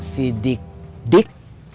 si dik dik